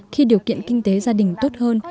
khi điều kiện kinh tế gia đình tốt hơn